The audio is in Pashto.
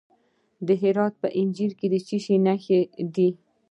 د هرات په انجیل کې د څه شي نښې دي؟